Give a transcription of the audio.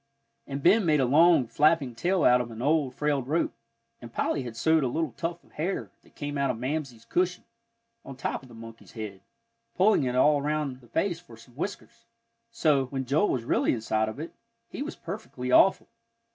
And Ben made a long, flapping tail out of an old, frayed rope, and Polly had sewed a little tuft of hair, that came out of Mamsie's cushion, on top of the monkey's head, pulling it all around the face for some whiskers; so, when Joel was really inside of it, he was perfectly awful.